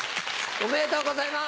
おめでとうございます。